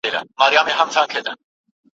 څوك به وران كي د ازل كښلي خطونه